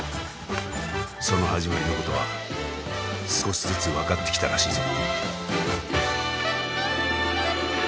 その始まりのことは少しずつ分かってきたらしいぞ。